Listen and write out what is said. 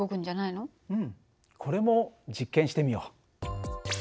うんこれも実験してみよう。